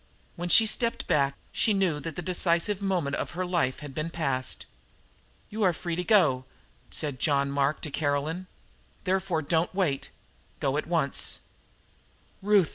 When she stepped back she knew that the decisive moment of her life had been passed. "You are free to go," said John Mark to Caroline. "Therefore don't wait. Go at once." "Ruth!"